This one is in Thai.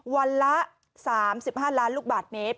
วันละ๓๕ล้านลูกบาทเมตร